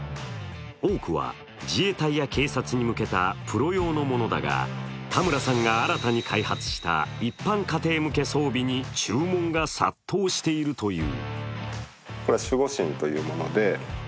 多くは自衛隊や警察に向けたプロ用のものだが、田村さんが新たに開発した一般家庭向け装備に注文が殺到しているという。